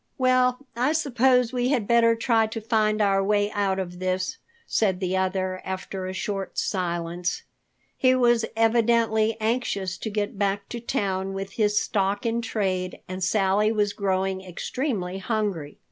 "Well, I suppose we had better try to find our way out of this," said the other after a short silence. He was evidently anxious to get back to town with his stock in trade and Sally was growing extremely hungry.